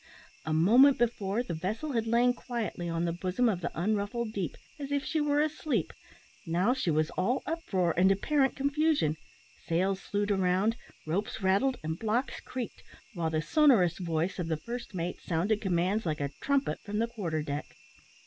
A moment before, the vessel had lain quietly on the bosom of the unruffled deep, as if she were asleep, now she was all uproar and apparent confusion; sails slewed round, ropes rattled, and blocks creaked, while the sonorous voice of the first mate sounded commands like a trumpet from the quarter deck.